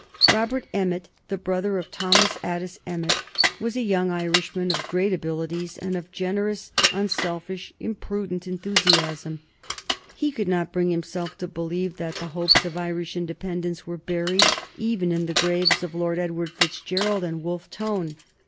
Robert Emmet, the brother of Thomas Addis Emmet, was a young Irishman of great abilities and of generous, unselfish, imprudent enthusiasm. He could not bring himself to believe that the hopes of Irish independence were buried even in the graves of Lord Edward Fitzgerald and Wolfe Tone.